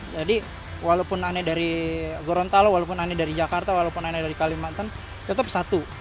jadi walaupun aneh dari gorontalo walaupun aneh dari jakarta walaupun aneh dari kalimantan tetap satu